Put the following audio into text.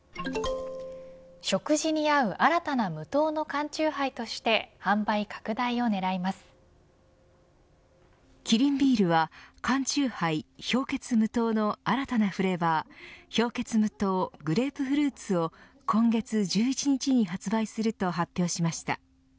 食事に合う新たな無糖の缶チューハイとしてキリンビールは缶チューハイ氷結無糖の新たなフレーバー氷結無糖グレープフルーツを今月１１日に発売すると発表しました。